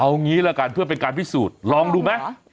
เอางี้ละกันเพื่อเป็นการพิสูจน์ลองดูไหม